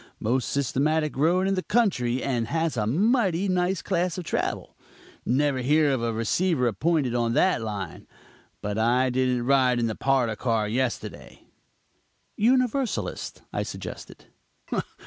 Most systematic road in the country and has a mighty nice class of travel. Never hear of a receiver appointed on that line. But I didn't ride in the parlor car yesterday." "Universalist?" I suggested.